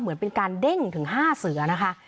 เหมือนเป็นการเด้งถึง๕เสือนะคะ